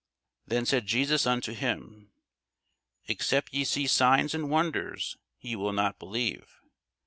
Then said Jesus unto him, Except ye see signs and wonders, ye will not believe.